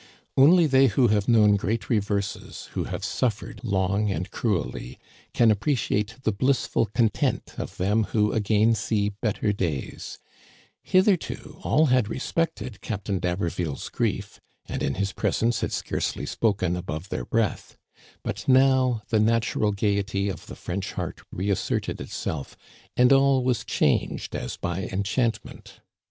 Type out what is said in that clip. Only they who have known great reverses, who have suffered long and cruelly, can appreciate the blissful content of them who again see better days. Hitherto Digitized by VjOOQIC LOCHIEL AND BLANCHE, 229 all had respected Captain d*Haberville*s grîef, and in his presence had scarcely spoken above their breath ; but now the natural gayety of the French heart reas serted itself, and all was changed as by enchantment.